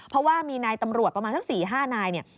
เพราะว่ามีนายตำรวจประมาณสัก๔๕นายเนี่ย